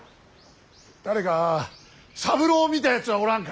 誰か三郎を見たやつはおらんか。